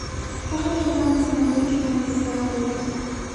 هغه د خزان په سمندر کې د امید څراغ ولید.